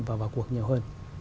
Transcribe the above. và vào cuộc nhiều hơn